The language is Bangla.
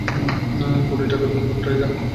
কোটি টাকার ব্যাপার এইটা।